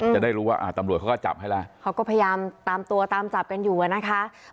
จะได้รู้ว่าตำรวจเขาก็จับให้แล้วเขาก็พยายามตามตัวตามจับกันอยู่อะนะคะ